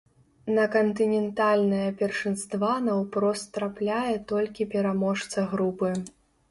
На кантынентальнае першынства наўпрост трапляе толькі пераможца групы.